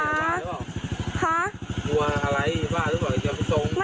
อุ้ยทีนี้มันน่ากลัวเหลือเกินค่ะ